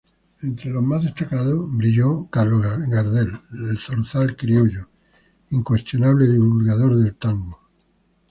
Entre los más destacados brilló Carlos Gardel, "el zorzal criollo", incuestionable divulgador del tango.